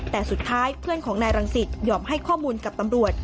แต่สุดท้ายเพื่อนของนายรังสิตยอมให้ข้อมูลกับตำรวจ